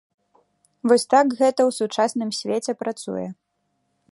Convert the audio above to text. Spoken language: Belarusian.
Вось так гэта ў сучасным свеце працуе.